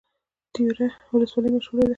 تیوره ولسوالۍ مشهوره ده؟